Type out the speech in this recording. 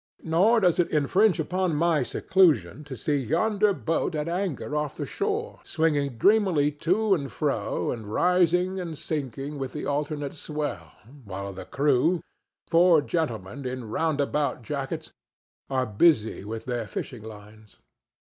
Nor does it infringe upon my seclusion to see yonder boat at anchor off the shore swinging dreamily to and fro and rising and sinking with the alternate swell, while the crew—four gentlemen in roundabout jackets—are busy with their fishing lines.